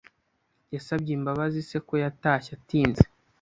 Yasabye imbabazi se ko yatashye atinze.